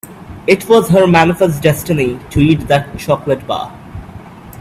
It was her manifest destiny to eat that chocolate bar.